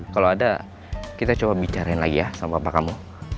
kalau ada kita coba bicarain lagi ya sama bapak kamu